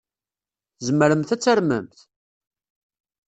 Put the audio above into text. Tzemremt ad tarmemt?